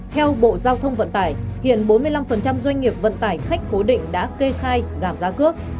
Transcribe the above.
theo bộ giao thông vận tải hiện bốn mươi năm doanh nghiệp vận tải khách cố định đã kê khai giảm giá cước